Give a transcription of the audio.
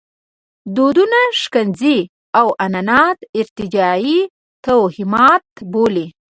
دودونه ښکنځي او عنعنات ارتجاعي توهمات بولي.